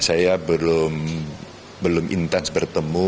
saya belum intens bertemu